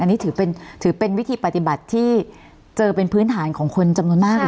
อันนี้ถือเป็นวิธีปฏิบัติที่เจอเป็นพื้นฐานของคนจำนวนมากเลย